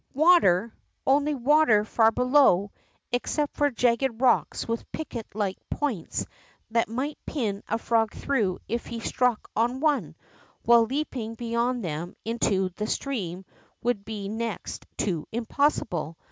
Water! Only water far below, except for jagged rocks with picket like points that might pin a frog through if he struck on one, while leap ing beyond them into the stream would be next to impossible.